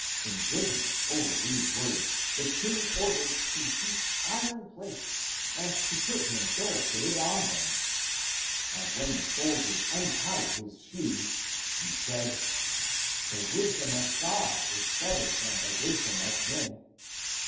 Indignant over the words, the king or dered to heat (iron) plates and to put him bare 340 THE APOCRYPHAL ACTS footed on them. And when the soldiers untied his shoes, he said, " The wisdom of God is better than the wisdom of men.